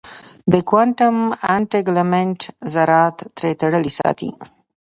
د کوانټم انټنګلمنټ ذرات سره تړلي ساتي.